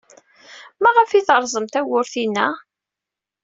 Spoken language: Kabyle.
Maɣef ay terẓem tawwurt-inna?